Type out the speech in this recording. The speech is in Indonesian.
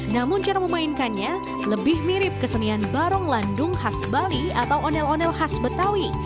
namun cara memainkannya lebih mirip kesenian barong landung khas bali atau ondel ondel khas betawi